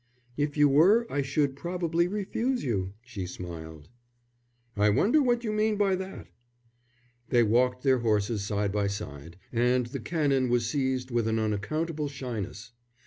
"If you were I should probably refuse you," she smiled. "I wonder what you mean by that?" They walked their horses side by side, and the Canon was seized with an unaccountable shyness.